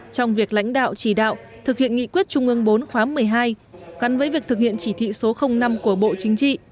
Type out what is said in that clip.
trong việc lãnh đạo chỉ đạo thực hiện nghị quyết trung ương bốn khóa một mươi hai gắn với việc thực hiện chỉ thị số năm của bộ chính trị